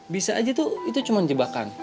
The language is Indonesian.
bisa aja tuh itu cuma jebakan